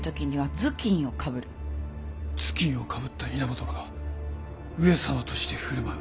頭巾をかぶった稲葉殿が上様として振る舞う。